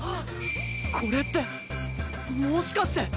これってもしかして。